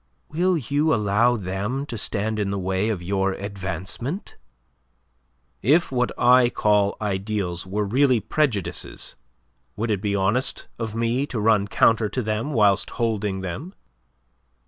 Will you allow them to stand in the way of your advancement?" "If what I call ideals were really prejudices, would it be honest of me to run counter to them whilst holding them?"